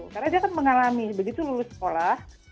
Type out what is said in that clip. karena dia kan mengalami begitu lulus sekolah